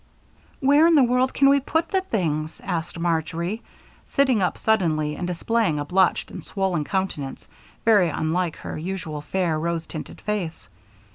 "Where in the world can we put the things?" asked Marjory, sitting up suddenly and displaying a blotched and swollen countenance very unlike her usual fair, rose tinted face.